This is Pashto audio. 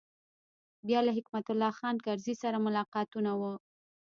بیا له حکمت الله خان کرزي سره ملاقاتونه و.